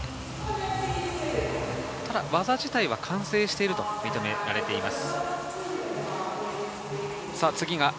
技自体は完成していると認められています。